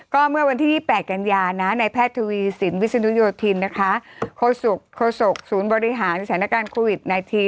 ก็เมื่อวันที่๒๘กันยานะในแพทย์ทวีสินวิศนุโยธินนะคะโฆษกศูนย์บริหารสถานการณ์โควิด๑๙